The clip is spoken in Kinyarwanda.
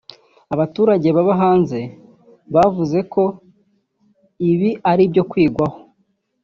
Abaturage baba hanze bavuze ko ibi ari ibyo kwigwaho